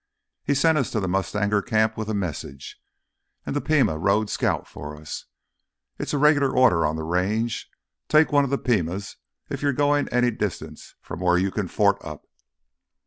He sent us to the mustanger camp with a message, and the Pima rode scout for us. It's a regular order on the Range—take one of the Pimas if you are goin' any distance from where you can fort up.